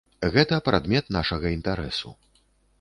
Гэта прадмет нашага інтарэсу.